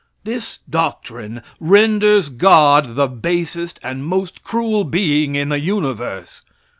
This doctrine renders God the basest and most cruel being in the universe.